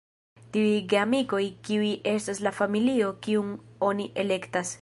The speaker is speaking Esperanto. Tiuj geamikoj kiuj estas la familio kiun oni elektas.